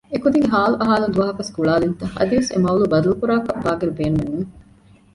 އެކުދިންގެ ޙާލު އަހާލަން ދުވަހަކުވެސް ގުޅާލިންތަ؟ އަދިވެސް އެ މަޥްޟޫޢު ބަދަލުކުރާކަށް ބާޤިރު ބޭނުމެއް ނޫން